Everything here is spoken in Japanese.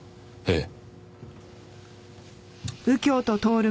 ええ。